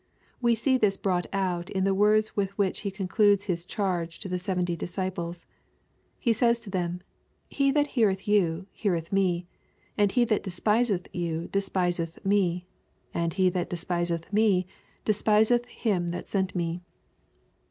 We see this brought out in the words with which He concludes His charge to the seventy disciples. He says to them, " He that heareth you heareth me, and he that despiseth you despiseth me, and he that despiseth me despiseth Him that sent me.''